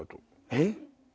えっ？